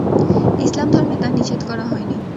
ইসলাম ধর্মে তা নিষেধ করা হয়নি।